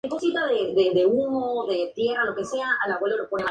Y si S se mantiene por sobre su media móvil, la señal se mantiene.